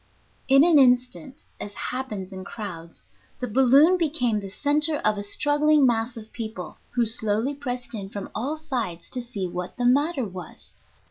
In an instant, as happens in crowds, the balloon became the center of a struggling mass of people, who slowly pressed in from all sides to see what the matter was.